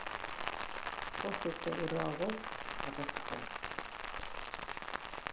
Bost urte geroago erre zuten.